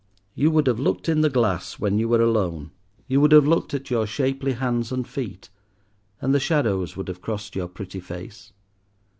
You would have looked in the glass when you were alone; you would have looked at your shapely hands and feet, and the shadows would have crossed your pretty face.